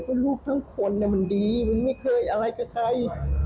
เพราะลูกทั้งคนมันดีมันไม่เคยอะไรกับใคร